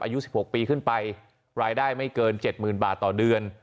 อายุ๑๖ปีขึ้นไปรายได้ไม่เกิน๗๐๐๐บาทต่อเดือน